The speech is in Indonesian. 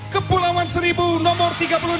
kepulauan seribu nomor tiga puluh enam